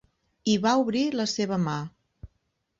I va obrir la seva mà.